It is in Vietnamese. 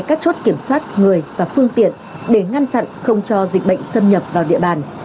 các chốt kiểm soát người và phương tiện để ngăn chặn không cho dịch bệnh xâm nhập vào địa bàn